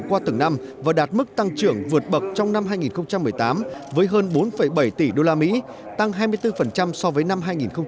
qua từng năm và đạt mức tăng trưởng vượt bậc trong năm hai nghìn một mươi tám với hơn bốn bảy tỷ usd tăng hai mươi bốn so với năm hai nghìn một mươi bảy